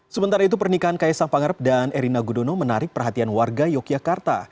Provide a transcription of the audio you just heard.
sementara itu pernikahan kaisang pangarep dan erina gudono menarik perhatian warga yogyakarta